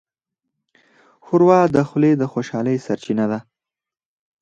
ښوروا د خولې د خوشحالۍ سرچینه ده.